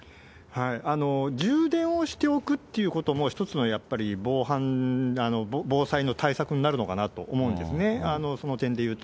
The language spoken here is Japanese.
充電をしておくということも、一つのやっぱり防犯、防災の対策になるのかなと思うんですね、その点で言うと。